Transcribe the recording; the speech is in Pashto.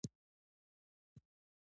د نورګرام ځنګلونه لري